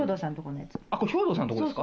あっこれ兵頭さんとこですか？